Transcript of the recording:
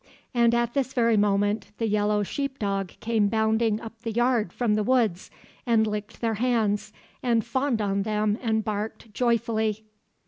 And at this very moment the yellow sheepdog came bounding up the yard from the woods and licked their hands and fawned on them and barked joyfully.